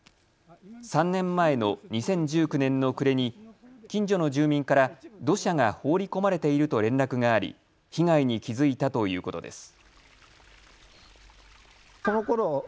３年前の２０１９年の暮れに近所の住民から土砂が放り込まれていると連絡があり被害に気付いたということです。